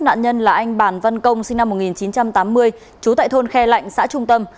nạn nhân là anh bàn văn công sinh năm một nghìn chín trăm tám mươi trú tại thôn khe lạnh xã trung tâm